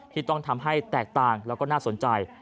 ที่ต้องทำให้แตกต่างแล้วก็น่าสนใจ